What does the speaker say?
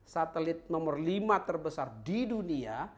satelit nomor lima terbesar di dunia